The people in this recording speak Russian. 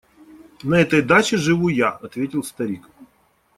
– На этой даче живу я, – ответил старик.